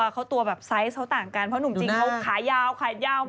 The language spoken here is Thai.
โขตัวแบบไซซ์เขาต่างกันเพราะหนุ่มจีนค่อยขายาวมาก